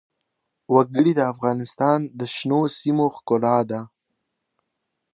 وګړي د افغانستان د شنو سیمو ښکلا ده.